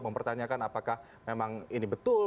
mempertanyakan apakah memang ini betul